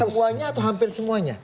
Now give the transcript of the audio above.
semuanya atau hampir semuanya